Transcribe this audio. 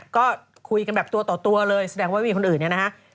ก็คุยกันแบบตัวต่อเลยแสดงว่ามีคนอื่น